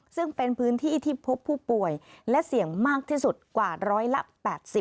ซึ่งเป็นพื้นที่ที่พบผู้ป่วยและเสี่ยงมากที่สุดกว่าร้อยละ๘๐